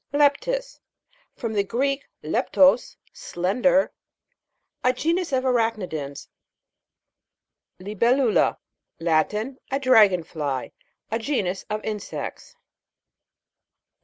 LEP'TUS. From the Greek, leptos, slender. A genus of arachni dans. LIBEL'LULA. Latin. A dragon fly. A genus of insects.